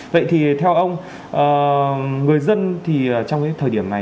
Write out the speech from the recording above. vậy thì theo ông người dân thì trong cái thời điểm này